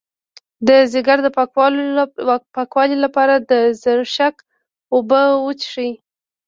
د ځیګر د پاکوالي لپاره د زرشک اوبه وڅښئ